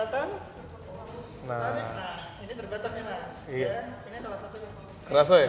nah ini terbatasnya ini salah satu